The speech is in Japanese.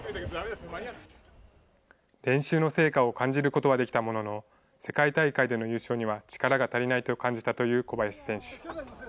練習の成果を感じることはできたものの、世界大会での優勝には力が足りないと感じたという小林選手。